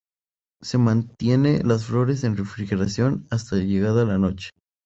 Se mantiene las flores en refrigeración hasta llegada la noche.